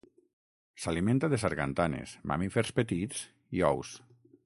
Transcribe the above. S'alimenta de sargantanes, mamífers petits i ous.